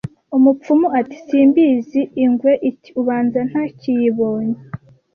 Umupfumu ati simbizi Ingwe iti ubanza ntakiyibonye